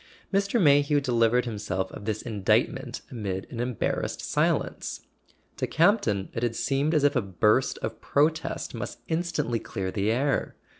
Mr. Mayhew delivered himself of this indictment amid an embarrassed silence. To Campton it had seemed as if a burst of protest must instantly clear the air.